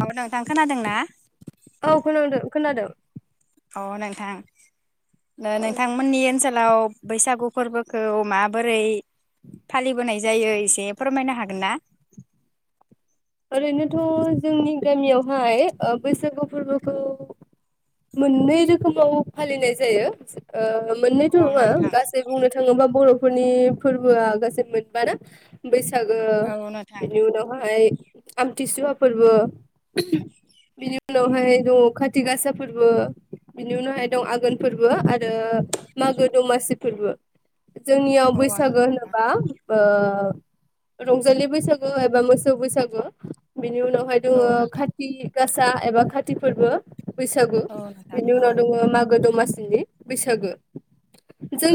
औ नोंथां खोनादों ना? औ खोनादों खोनादों अ नोंथां औ नोंथांमोननि ओनसो लाव बैसागु फोरबोखौ माबोरै फालिबोनाय जायो एसे फोरमायनो हागोन ना? ओरैनोथ' जोंनि गामियावहाय ओ बैसागु फोरबोखौ मोनै गावबा गाव फालिनाय जायो ओ मोननायथ' अ नङा नोंथां गासै बुंनो थाङोबा बर' फोरनि फोरबोआ गासै मोनबा ना बैसा गो, औ नोंथां बिनि उनावहाय आमथिसुवा फोरबो, बिनि उनावहाय दङ खाथि गासा फोरबो, बिनि उनावहाय दं आगोन फोरबो आरो मागो दमासि फोरबो। जोंनियाव अ बैसागो नोंथां होनोबा ओ रंजालि बैसागु एबा मोसौ बैसागो। बिनि उनावहाय औ दोङो नोंथां खाथि गासा एबा खाथि फोरबो। बैसागु औ नोंथां बिनि औ उनाव दङ' मा गो दमासिनि बैसागो।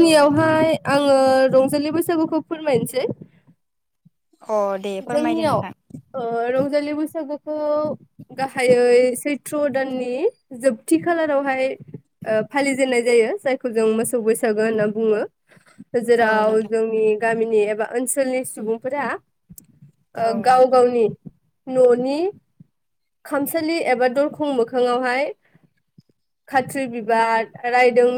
औ नोंथां आं आङो रंजालि बैसागुखौ फोरमायनोसै। अ दे फोरमायदो जोंनियाव नोंथां ओ रं जालि बैसागोखौ गाहायै सैथ्र' दाननि जोबथि खालारावहाय ओ फालिजेननाय जायो जायखौ जों मोसौ बैसागो होनना बुङो। औ जेराव नोंथां जोंनि गामिनि एबा ओनसोलनि सुबुंफोरा ओ औ गाव नोंथां गावनि न'नि खामसालि एबा दर खं मोखाङावहाय खाथ्रि बिबार रायदों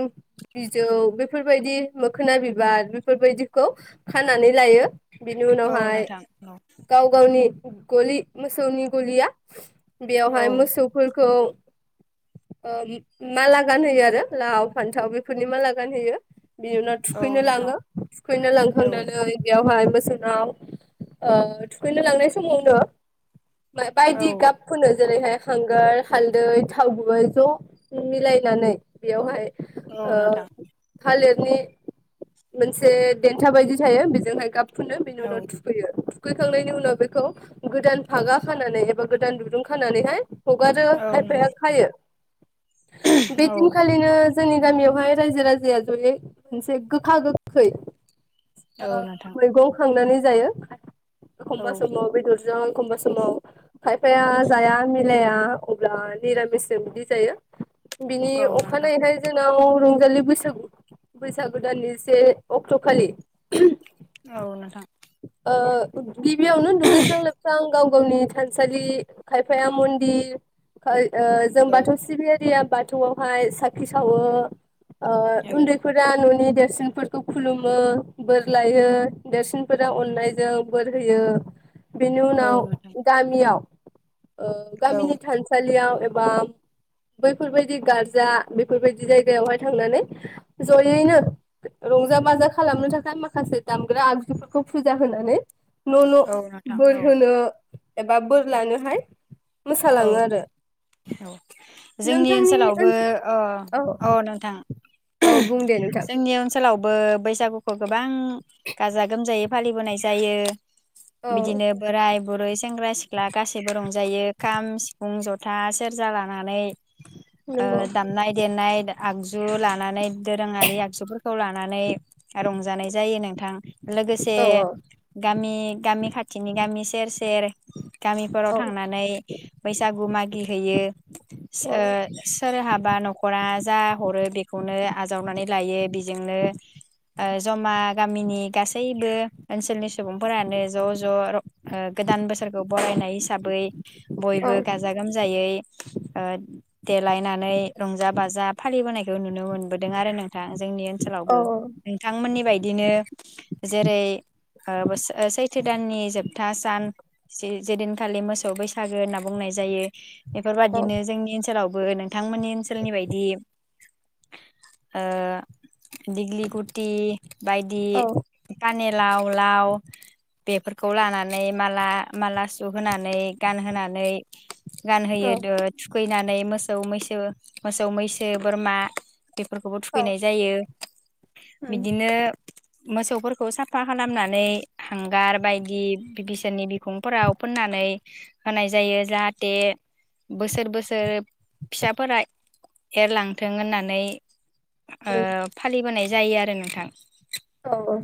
बिजौ बेफोरबायदि मोखोना बिबार बेफोरबायदिखौ खानानानै लायो। बिनि औ उनावहाय नोंथां औ गाव गावनि गलि मोसौनि गलिया औ बेयावहाय मोसौफोरखौ ओ माला गानहोयो आरो लाव फान्थाव बेफोरनि माला गानहोयो। बि उनाव औ थुखैनो नोंथां लाङो थुखैनो औ लांखांनानै बेयावहाय बोसोराव ओ थुखैनो लांनाय समावनो औ बायदि गाब फुनो। जेरैहाय हांगार हालदै थाव गुबै ज' मिलायनानै बेयावहाय औ ओ नोंथां थालिर नि मोनसे देन्था बायदि थायो बेजोंहाय गाब फुनो बेनि औ उनाव थु थुखैखांनायनि उनाव बेखौ गोदान फागा खानानै एबा गोदान दुरुं खानानैहाय हगारो औ खायफाया नोंथां खायो। बे औ दिनखालिनो जोंनि गामियावहाय रायजो राजाया जयै मोनसे गोखा गोखै औ ओ नोंथां मैगं खांनानै जायो। औ एखमबा समाव बेदर जों एखमबा समाव खायफाया जाया मिलाया अब्ला निरामिसजों बिदि जायो। बिनि औ नोंथां अखानायैहाय जोंनाव रंजालि बैसागु बैसागो दाननि से अक्ट'खालि औ नोंथां। औ गिबियावनो दुगैस्रां लोबस्रां गाव गावनि थानसालि खायफाया मन्दिर खाय ओ जों औ बाथौ सिबियारिया बाथौआवहाय साखि सावो ओ औ उन्दैफोरा न'नि देरसिनफोरखौ खुलुमो बोर लायो देरसिन फोरा अननायजों बोर होयो। बेनि औ उनाव नोंथां गामियाव ओ औ गामिनि थानसालियाव एबा बा बैफोरबायदि गारजा बेफोरबायदि जायगायावहाय थांनानै जयैनो रंजा बाजा खालामनो थाखाय माखासे दामग्रा आगजु फोरखौ फुजा होनानै न' न' औ नोंथां बोर औ होनो एबा बोर लानोहाय औ मोसालाङो आरो औ जोंनि नोंथांनि ओनसोलावबो ओनसोल अ औ अ नोंथां। औ बुं दे नोंथां आथिखलावबो बैसागुखौ गोबां गाजा गोमजायै फालिबोनाय जायो। औ बिदिनो बोराय बुरै सेंग्रा सिख्ला गासैबो रंजायो। खाम सिफुं जथा सेरजा लानानै ओ नंगौ दामनाय देनाय आगजु लानानै दोरोङारि आगजुफोरखौ लाना नानै रंजानाय जायो नोंथां। लोगोसे औ गामि गामि खाथिनि गामि सेर सेर गामिफोराव औ थांनानै बैसागु मागि हैयो। ओ सोरहाबा न'खरा जा हरो बेखौनो आजावनानै लायो बेजोंनो ओ जमा गामिनि गासैबो ओनसोलनि सुबुंफोरानो ज' ज' र गोदान बोसोरखौ बरायनाय हिसाबै औ बयबो गाजा गोमजायै ओ देलायनानै रंजा बाजा फालिबोनायखौ नुनो मोनबोदों आरो नोंथां जोंनि ओनसोलावबो नोंथांमोननि बायद बिदिनो जेरै ओ सैथो दाननि जोबथा सान जे-जेदिनखालि मोसौ बैसो सागो होनना बुंनाय जायो। औ बेफोरबादिनो जोंनि ओनसोलाव बो नों नोंथमोननि ओनसोलनि बायदि ओ दिग्लि गुटि बायदि पानेट लाव लाव बेफोरखौ लानानै माला माला सुहोनानै गानहोनानै गानहोयो थुखैनानै मोसौ मैसो मोसौ मैसो बोरमा। बेफोरखौबो थुखैनाय जायो। बिदिनो मोसौफोरखौ साफा खालामनानै हांगार बायदि बिसोरनि बिखुंफोराव फोननानै होनाय जायो जाहाथे बोसोर बोसोर फिसाफोरा एरलांथों होननानै ओ फालि बोनाय जायो आरो नोंथां। औ।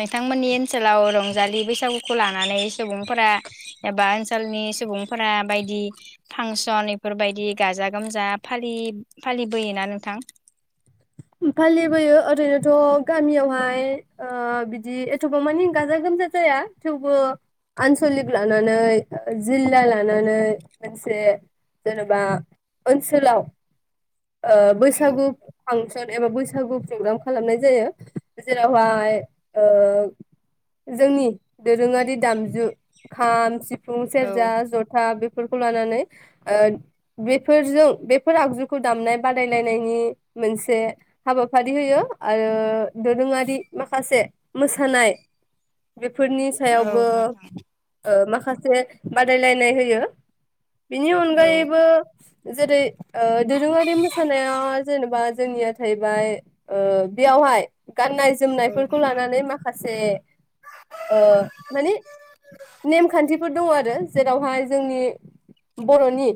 नोंथांमोननि ओनसोलाव रंजालि बैसागुखौ लानानै सुबुंफोरा एबा ओनसोलनि सुबुंफोरा बायदि फांसन बेफोरबायदि गाजा गोमजा फालि फालिबोयोना नोंथां? फालिबोयो ओरैनोथ' गामियावहाय ओ बिदि एथ'बां मानि गाजा गोमजा जाया थेवबो आनसलिक लानानै जिल्ला लानानै मोनसे जेन'बा ओनसोलाव ओ औ बैसागु फांसन सन एबा बैसागु प्रग्राम खालामनाय जायो जेरावहाय जोंनि दोरोङारि दामजु खाम सिफ फुं औ सेेरजा जथा बेफ बेफोरखौ लानानै ओ बेफोरजों बेफोर आगजुखौ दामनाय बादायलायनायनि मोनसे से हाबाफारि होयो आरो दोरोङारि माखासे मोसानाय फोरनि औ सायावबो नोंथां ओ माखासे बादायलायनाय होयो। बिनि औ अनगायैबो जेरै ओ दोरोङारि मोसानाया जेनबा जोंनिया थाहैबाय ओ बेयावहाय गाननाय औ जोमनायफोरखौ नोंथां लानानै माखासे ओ माने नेमखान्थि, फोर दङ आरो जेरावहाय जोंनि बर'नि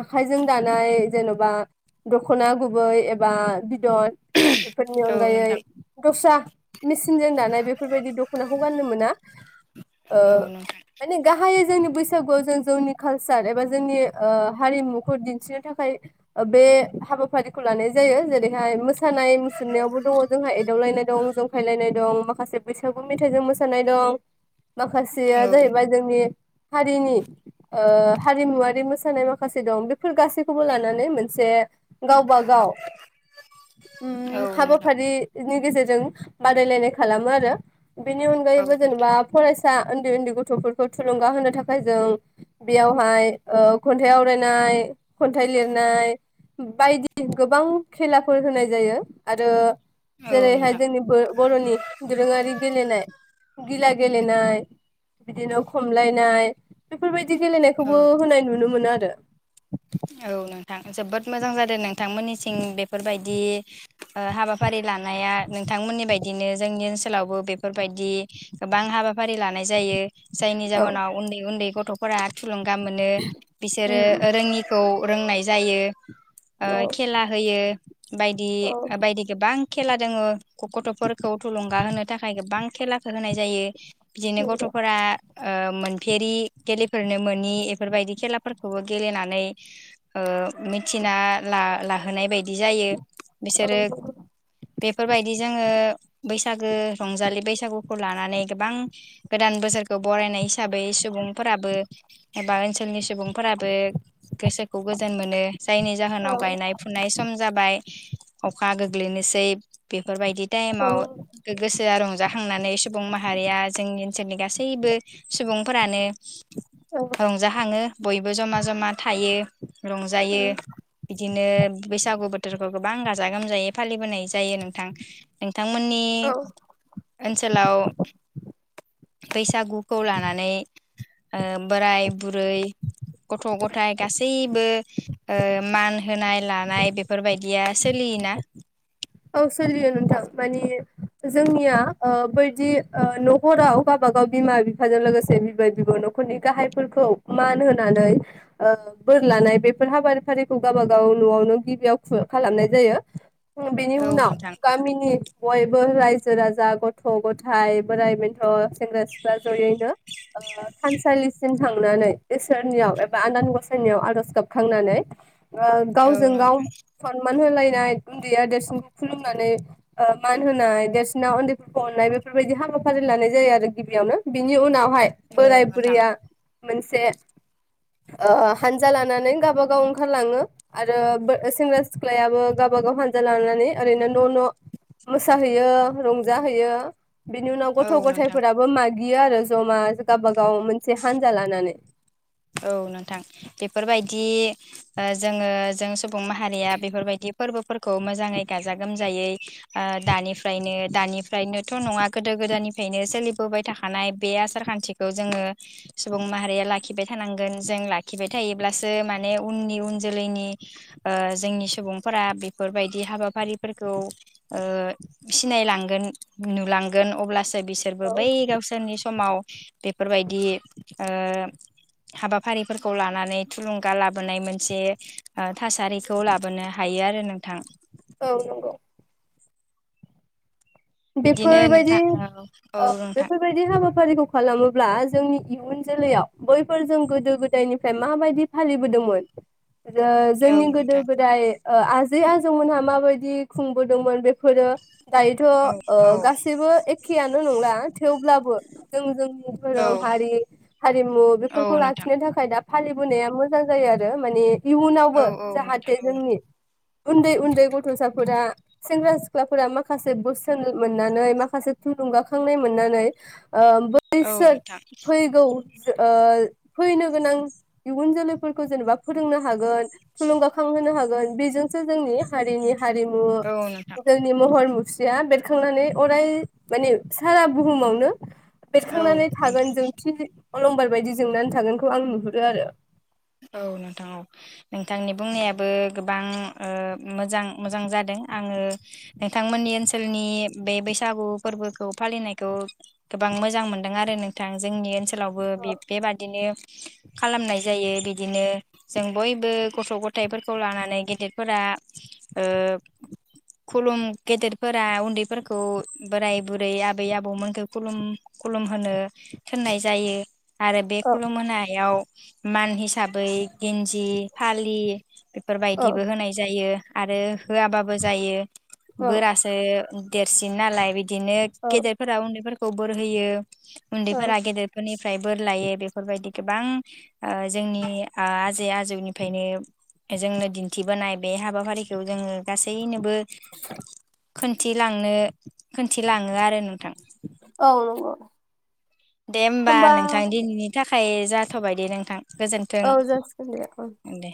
आखायजों दानाय जेन' बा दखना गुबै बा बिदन बेफोरनि औ अनगायै नोंथां दस्रा मेसिनजों दानाय बेफोरबायदि दख'नाखौ गाननो मोना ओ औ नोंथां माने गाहाय जोंनि बैसागुआव जों जोंनि कालचार एबा जोंनि ओ हारिमुखौ दिन्थिनो थाखाय बे हाबाफारिखौ लानाय जायो जेरैहाय मोसानाय मुसुरनायावबो दङ जोंहा एदावलायनाय दं जंखायलायनाय दं माखासे बैसागु मेथाइजों मोसानाय दं । माखासेया औ जाहैबाय जोंनि हारिनि ओ हारिमुवारि मोसानाय माखासे दं बेफोर गासैखौबो लानानै मोनसे गावबा गाव उम औ हाबा नोंथां फारि नि गेजेर जों बादायलायनाय खालामो आरो । बेनि औ अनगायैबो जेनेबा नोंथां फरायसा फिसा उन्दै उन्दै गथफोरखौ थुलुंगा होनो थाखाय जों बेयावहाय ओ खन्थाइ आवरायनाय खन्थाइ लिरनाय बायदि गोबां खेलाफोर होनाय जायो आरो औ जेरैहाय नोंथां जोंनि बोर बरनि दोरोङारि गेलेनाय गिला गेलेनाय बिदिनो खमलायनाय बेफोरबायदि बिदि औ गेलेनायखौबो होनाय नुनो मोनो आरो [unintelligible] औ नोंथां जोबोद मोजां जादों नोंथांमोननिसिं बेफोरबायदि आ हाबाफारि लानाया नोंथांमोननि बायदिनो जोंनि ओनसोलावबो बेफोरबायदि गोबां हाबाफारि लानाय जायो । जायनि औ औ जाहोनाव उन्दै उन्दै गथ औबोरा थुलुं गा मोनो बिसोरो रोंङि खौ रोंनाय जायो । औ ओ खेला होयो बायदि बायदि गोबां खेला दङो गथफोरखौ थुलुंगा होनो थाखाय गोबां खेलाखौ होनाय जायो। बिदिनो नंगौ गथफोरा ओ मोनफेरि गेलेफोरनो मोनि एफोरबायदि खेलाफोरखौबो गेलेनानै ओ मिथिना ला लाहोनाय बायदि जायो । औ बिसोरो नंगौ बेफोरबायदि जोङो बैसागो रंजालि बैसागुखौ लानानै गोबां गोदान बोसोरखौ बरायनाय हिसाबै सुबुंफोराबो एबा ओनसोलनि सुबुंफोराबो गोसोखौ गोजोन मोनो। जायनि औ जाहोनाव गायनाय फुनाय सम जाबाय। अखा गोग्लैनोसै बे फोरबायदि औ टाइमाव गोसोआ रं जाखांनानै सुबुं माहारिया जोंनि ओनसोलनि गासैबो सुबुंफोरानो रंजाखाङो बयबो जमा जमा [unintelligible] रंजायो औ बिदि दिनो बैसागु बोथोरखौ गोबां गाजा गोमजायै फालिबोनाय जायो नोंथां थांमोननि औ ओनसोलाव बैसागु खौ लानानै ओ बोराइ बुरै गथ' गथ फ्राय गासैबो ओ मान होनाय लानाय बेफोरबायदिया सोलियोना? औ सोलियो नोंथां माने जोंनिया ओ बैदि ओ न'खराव गावबागाव बिमा बिफाजों लोगोसे बिबै बिबौ न'खरनि गाहायफोरखौ मान होनानै ओ बोर लानाय बेफोर हाबाफारिखौ गाबबा गाव न'आवनो गिबियाव खु खालामनाय जायो। बेनि औ उनाव नोंथां गामिनि बयबो रायजो राजा गथ' गथाइ बोराइ बेन्थ' सेंग्रा सिख्ला जयैनो ओ थानसालिसिम थांनानै इसोरनियाव एबा आनान गसाइनियाव आर'ज गाबखांनानै ओ औ गावजों गाव नोंथां फन मान होलायनाय उन्दैया देरसि खुलुमनानै ओ मान होनाय देरसिना उन्दैफोरखौ अननाय बेफोरबायदि हाबाफारि लानाय जायो आरो गिबियावनो बिनि उनाव फाय औ बोराइ नोंथां बुरैआ मोनसे ओ हानजा लान नानै गावबा गाव ओंखारलाङो आरो बो सेंग्रा सिख्लायाबो गावबा गाव हानजा लाना नै ओरैनो न' न' मोसाहैयो रंजाहैयो। बिनि उनाव औ गथ' नोंथां गथाइफोराबो माग गियो आरो जमा [unintelligible] गाव मोनसे हानजा लानानै। औ नोंथां बेफोरबायदि ओ जोङो जों सुबुं माहारिया बेफोरबायदि फोरबोफोरखौ मोजाङै गाजा गोमजायै ओ दानिफ्रायनो दानिफ्रायनोथ' नङा गोदो गोदायनिफायनो सोलिबोबाय थाखानाय बे आसार खान्थिखौ जोङो सुबुं माहारिया लाख खिबाय थानांगोन जों लाखिबाय थायोब्लासो माने उननि उन जोलैनि ओ जोंनि सुबुंफोरा बेफोरबायदि हाबाफारिफोरखौ ओ सिनायलांगोन नुलांगोन अब्लासो बिसोरबो औ बै गावसोरनि समाव बेफोरबायदि ओ हाबाफारिफोरखौ लानानै थुलुंगा लाबोनाय मोनसे थासारिखौ लाबोनो हायो आरो नोंथां। औ। बिदिनो बेफोरबायदि नोंथां औ औ बेफोरबायदि हाबाफारिखौ खालामोब्ला जोंनि इयुन जोलैयाव बैफोर जों गोदो गोदायनिफ्राय माबायदि फालिबोदोंमोन? औ जोंनि गोदो नोंथां गोदाय आजै आजौमोनहा माबायदि खुंबोदोंमोन बेफोरो दायोथ औ औ गासैबो एखेआनो नंला थेवब्लाबो जों जोंनि औ धोरोम हारि हारिमु औ बेफोरखौ नोंथां लाखिनो थाखाय दा फालिबोनाया मोजां जायो आरो मानि औ इउनावबो औ नोंथां जाहाथे औ जोंनि उन्दै उन्दै गथसाफोरा सेंग्रा सिख्लाफोरा माखासे मोननानै माखासे थुलुंगाखांनाय मोननानै। औ बैसोर नोंथां फैगौ जो ओ फैनो गोनां इयुन जोलैफोरखौ जेनेबा फोरोंनो हागोन थुलुंगाखांहोनो हागोन बेजोंसो जोंनि हारिनि हारिमु औ नोंथां जोंनि महर मु सिया बे खांनानै अराय माने सारा बुहुमावनो औ बेरखांनानै नोंथां थागोन जोंथि अलंबार बायदि जोंनानै थागोनखौ आं नुहुरो आरो। औ नोंथां औ नोंथांनि बुंनायाबो गोबां ओ मोजां मोजां जादों आंङो नोंथांमोननि ओनसोलनि बे बैसागु फोरबोखौ फालिनायखौ गोबां मोजां मोनदों आरो नोंथां जोंनि ओनसो सोलावबो बे बेबादिनो खालामनाय जायो । बिदिनो जों बयबो गथ' गथायफोरखौ लानानै गेदेरफोरा ओ खुलुम गेदेरफोरा उन्दैफोरखौ बोराय बुरै आबै आबौमोनखौ खुलुम खुलुम होनो थोननाय जायो । आरो बे औ खुलुमहोयाव मान हिस साबै गिन्जि फालि औ बेफोरबायदिबो होनाय जायो । आरो होआबाबो जायो । बोरासो देरसिन नालाय बि दिनो औ गेदेरफोरा उन्दैफोर खौ बोर होयो । औ उन्दैफोरा गेदेरफोरनि फ्राय बोर लायो बेफोरबायदि गोबां ओ जोंनि आजै आजौनिफायनो जोंनो दिन्थिबोनाय बे हाबाफारिखौ जोंङो गासैनो बो खोनथिलांनो खोनथिलाङो आरो नोंथां। औ नंगौ। दे होमबा नोंथां दिनैनि थाखा खाय जाथ'बाय दे नोंथां। गोजोन्थों औ जासिगोनदे ओं । दे